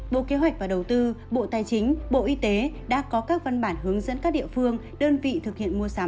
bộ kế hoạch và đầu tư bộ tài chính bộ y tế đã có các văn bản hướng dẫn các địa phương đơn vị thực hiện mua sắm